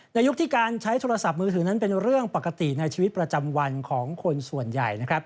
ยุคที่การใช้โทรศัพท์มือถือนั้นเป็นเรื่องปกติในชีวิตประจำวันของคนส่วนใหญ่นะครับ